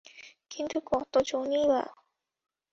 কিন্তু কত জনই বা!